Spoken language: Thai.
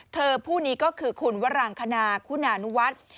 ผู้นี้ก็คือคุณวรังคณาคุณานุวัฒน์